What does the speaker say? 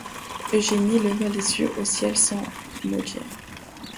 Eugénie leva les yeux au ciel sans mot dire.